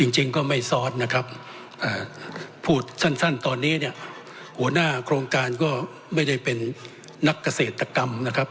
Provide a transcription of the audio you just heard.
จริงก็ไม่ซ้อนนะครับพูดสั้นตอนนี้เนี่ยหัวหน้าโครงการก็ไม่ได้เป็นนักเกษตรกรรมนะครับ